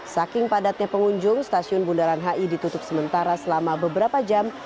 saking padatnya pengunjung stasiun bundaran hi ditutup sementara selama beberapa jam